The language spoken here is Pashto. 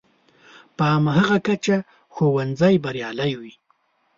په هماغه کچه ښوونځی بریالی وي.